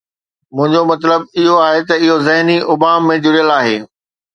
منهنجو مطلب اهو آهي ته اهو ذهني ابهام ۾ جڙيل آهي.